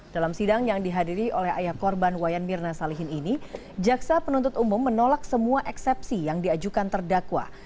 dalam sidang yang dihadiri oleh ayah korban wayan mirna salihin ini jaksa penuntut umum menolak semua eksepsi yang diajukan terdakwa